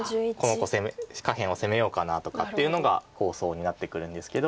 下辺を攻めようかなとかっていうのが構想になってくるんですけど。